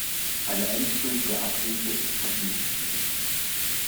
Eine endgültige Abhilfe ist noch nicht in Sicht.